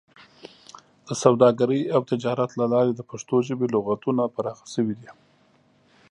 د سوداګرۍ او تجارت له لارې د پښتو ژبې لغتونه پراخه شوي دي.